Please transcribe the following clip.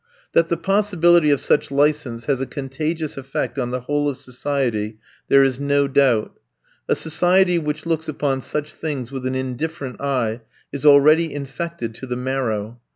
That the possibility of such license has a contagious effect on the whole of society there is no doubt. A society which looks upon such things with an indifferent eye, is already infected to the marrow.